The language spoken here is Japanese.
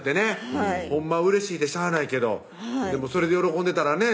はいほんまはうれしいてしゃあないけどでもそれで喜んでたらね